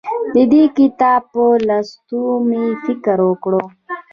د دې کتاب په لوستو مې فکر وکړ.